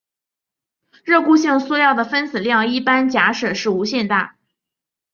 热固性塑料的分子量一般假设是无限大。